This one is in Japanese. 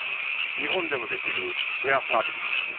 日本でもできるシェアサービス。